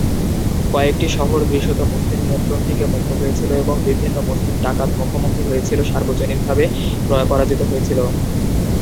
কয়েকটি শহর দৃশ্যত মুসলিম নিয়ন্ত্রণ থেকে মুক্ত হয়েছিল এবং বিভিন্ন মুসলিম ডাকাত মুখোমুখি হয়েছিল সর্বজনীনভাবে পরাজিত হয়েছিল।